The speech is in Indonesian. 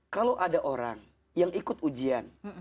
kalau ada orang yang ikut ujian